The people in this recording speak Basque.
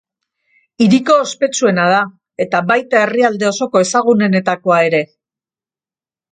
Hiriko ospetsuena da, eta baita herrialde osoko ezagunenetakoa ere.